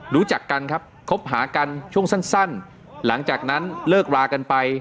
รู้จักกันครับคบหากันช่วงสั้นหลังจากนั้นเลิกรากันไป